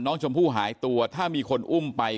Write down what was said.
น้องชมพู่หายตัวถ้ามีคนอุ้มไป